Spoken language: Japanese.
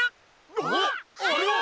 あっあれは！